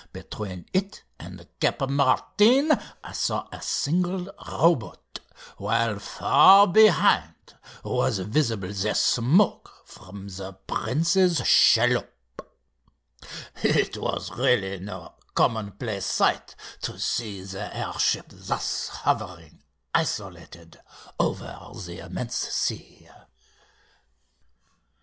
Between it and Cap Martin I saw a single row boat, while far behind was visible the smoke from the prince's chaloupe. It was really no commonplace sight to see the air ship thus hovering isolated over the immense sea."